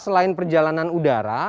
selain perjalanan udara